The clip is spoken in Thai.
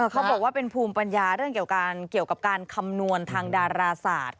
เขาบอกว่าเป็นภูมิปัญญาเรื่องเกี่ยวกับการคำนวณทางดาราศาสตร์